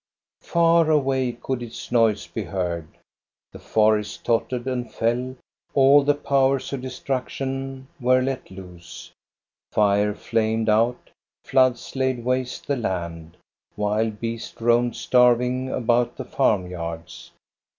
Far away could its noise be heard. The forest tottered and fell, all the powers of destruc tion were let loose ; fire flamed out, floods laid waste the land, wild beasts roamed starving about the farmyards.